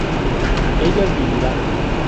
ellas vivirán